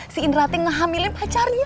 si indra teh ngehamilin pacarnya